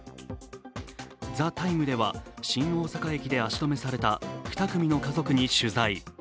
「ＴＨＥＴＩＭＥ，」では新大阪駅で足止めされた２組の家族に取材。